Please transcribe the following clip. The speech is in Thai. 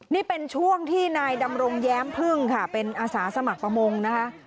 นี่เป็นช่วงที่นายดำรงแย้มพึ่งค่ะเป็นอาสาสมัครประมงนะคะ